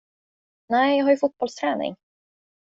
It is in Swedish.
Nej, jag har ju fotbollsträning.